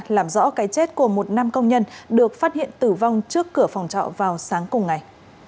làm rõ cái chết của một nam công nhân được phát hiện tử vong trước cửa phòng trọ vào sáng cùng ngày